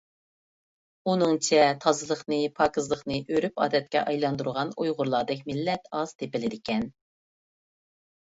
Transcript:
ئۇنىڭچە، تازىلىقنى، پاكىزلىقنى ئۆرپ-ئادەتكە ئايلاندۇرغان ئۇيغۇرلاردەك مىللەت ئاز تېپىلىدىكەن.